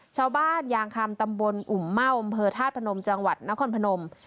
ชาวบ้านยางคำตำบลอุ่มเม่าอำเภอธาตุพนมจังหวัดนครพนม